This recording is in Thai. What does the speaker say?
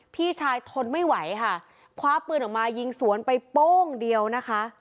พี่ชายทนไม่ไหวค่ะคว้าปืนออกมายิงสวนไปโป้งเดียวนะคะ